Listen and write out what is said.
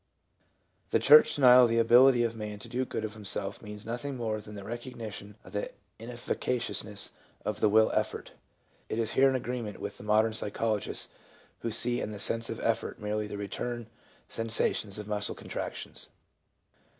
The church denial of the ability of man to do good of him self means nothing more than the recognition of the ineffica ciousness of the will effort. It is here in agreement with the modern psychologists who see in the sense of effort merely the return sensations of muscle contractions.